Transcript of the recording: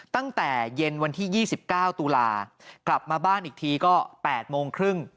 ตั้งแต่เย็นวันที่๒๙ตุลากลับมาบ้านอีกทีก็๘โมงครึ่ง